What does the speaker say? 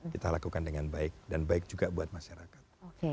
kita lakukan dengan baik dan baik juga buat masyarakat